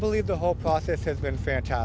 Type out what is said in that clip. saya percaya proses sepenuhnya sangat bagus